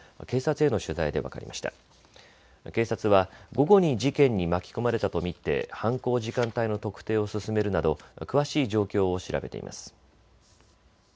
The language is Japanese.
警察は午後に事件に巻き込まれたと見て犯行時間帯の特定を進めるなど詳しい状況を調べています。